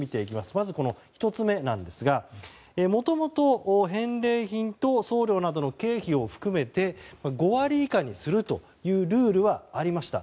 まず、１つ目ですがもともと返礼品と送料などの経費を含めて５割以下にするというルールはありました。